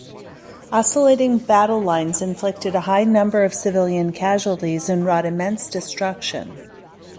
Oscillating battle lines inflicted a high number of civilian casualties and wrought immense destruction.